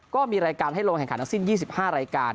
ก็มีรายการให้ลงแข่งขันทั้งสิ้น๒๕รายการ